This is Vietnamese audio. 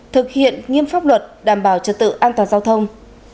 thực hiện nghiêm pháp luật đảm bảo trật tự an toàn giao thông